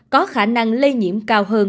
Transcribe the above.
có khả năng lây nhiễm cao hơn